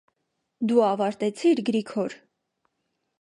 - Դու ավարտեցի՞ր, Գրիգոր: